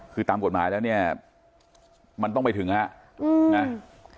คือตามกฎหมายแล้วเนี่ยมันต้องไปถึงฮะนะ